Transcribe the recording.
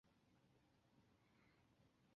隆莱勒泰松人口变化图示